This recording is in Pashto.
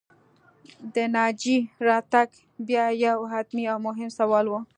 د ناجيې راتګ بیا یو حتمي او مهم سوال و